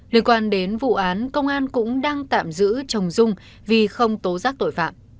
liên quan đến vụ án công an cũng đang tạm giữ chồng dung vì không tố giác tội phạm